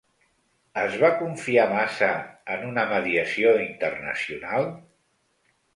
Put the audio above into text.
Es va confiar massa en una mediació internacional?